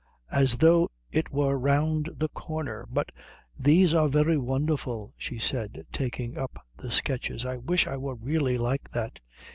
"As though it were round the corner! But these are very wonderful," she said, taking up the sketches. "I wish I were really like that."